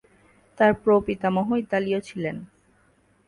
তার প্র-পিতামহ ইতালীয় ছিলেন।